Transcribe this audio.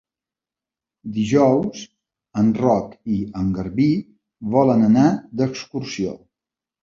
Dijous en Roc i en Garbí volen anar d'excursió.